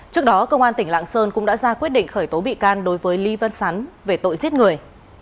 trước đó công an tỉnh lạng sơn cũng đã ra quyết định khởi tố bị can đối với ly văn sắn về tội giết người